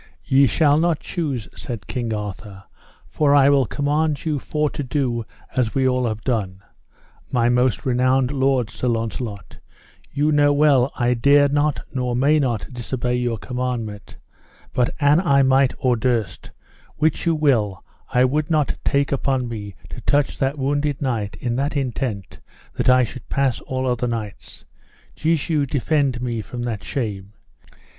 Ye shall not choose, said King Arthur, for I will command you for to do as we all have done. My most renowned lord, said Sir Launcelot, ye know well I dare not nor may not disobey your commandment, but an I might or durst, wit you well I would not take upon me to touch that wounded knight in that intent that I should pass all other knights; Jesu defend me from that shame.